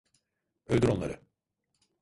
Öldür onları!